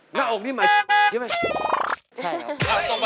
หน้าอกนี่หมายถึงใช่ไหม